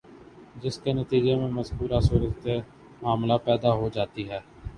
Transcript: جس کے نتیجے میں مذکورہ صورتِ معاملہ پیدا ہو جاتی ہے